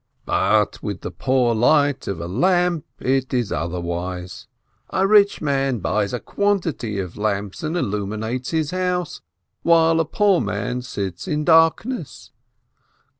But with the poor light of a lamp it is otherwise. A rich man buys a quantity of lamps and illumines his house, while a poor man sits in dark ness.